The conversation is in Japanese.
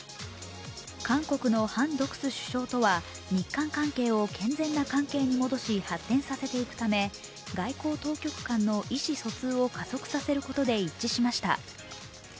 韓国のハン・ドクス首相とは日韓かけを健全な関係に戻し、発展させていくため外交当局間の意思疎通を加速させることで一致しました。